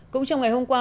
cũng trong ngày hôm qua